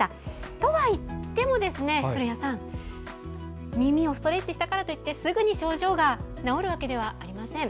とはいっても、古谷さん耳をストレッチしたからといってすぐに症状が治るわけではありません。